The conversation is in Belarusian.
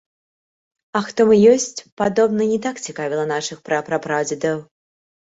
А хто мы ёсць, падобна, не так цікавіла нашых пра-пра-прадзедаў.